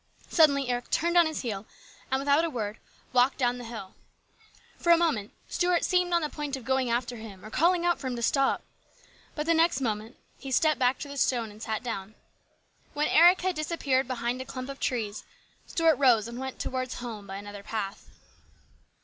Suddenly Eric turned on his heel and without a word walked down 3 34 HIS BROTHER'S KEEPER. the hill. For a moment Stuart seemed on the point of going after him or calling out for him to stop. But the next moment he stepped back to the stone and sat down. When Eric had disappeared behind a clump of trees, Stuart rose and went towards home by another path.